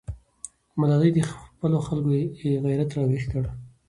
ملالۍ د خپلو خلکو غیرت راویښ کړ.